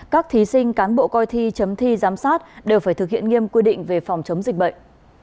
các thí sinh cán bộ coi thi chấm thi giám sát đều phải thực hiện nghiêm quy định về phòng chống dịch bệnh